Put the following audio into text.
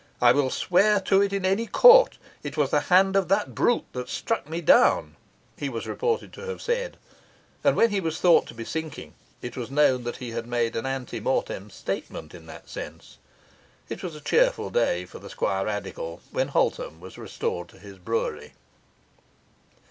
'I will swear to it in any court it was the hand of that brute that struck me down,' he was reported to have said; and when he was thought to be sinking, it was known that he had made an ante mortem statement in that sense. It was a cheerful day for the Squirradical when Holtum was restored to his brewery.